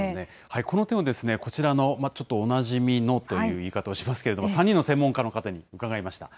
この点を、こちらのちょっとおなじみのという言い方をしますけれども、３人の専門家の方に伺いました。